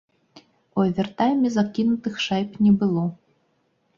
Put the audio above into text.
У овертайме закінутых шайб не было.